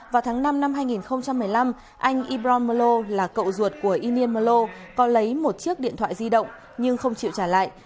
vào tháng năm năm hai nghìn một mươi năm anh ibrommlo là cậu ruột của inimallo có lấy một chiếc điện thoại di động nhưng không chịu trả lại